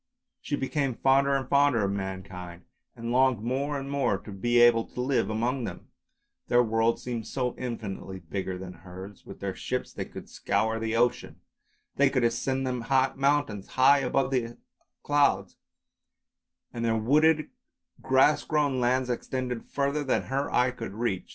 She became fonder and fonder of mankind, and longed more and more to be able to live among them ; their world seemed so infinitely bigger than hers; with their ships they could scour the ocean, they could ascend the mountains high above the clouds, and their wooded, grass grown lands extended further than her eye could reach.